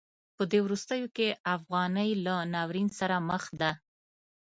په دې وروستیو کې افغانۍ له ناورین سره مخ ده.